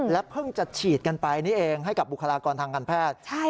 เพิ่งจะฉีดกันไปนี่เองให้กับบุคลากรทางการแพทย์